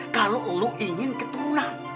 kalau lo ingin keturunan